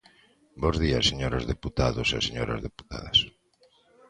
Bos días señores deputados e señoras deputadas.